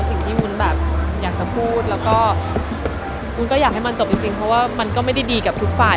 วุ้นแบบอยากจะพูดแล้วก็วุ้นก็อยากให้มันจบจริงเพราะว่ามันก็ไม่ได้ดีกับทุกฝ่าย